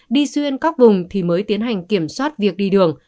đi xuyên các vùng thì mới tiến hành kiểm soát việc đi đường